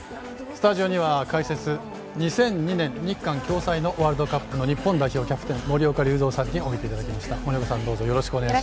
スタジオには解説２００２年ワールドカップ共催の日本代表キャプテン森岡隆三さんにおいでいただきました。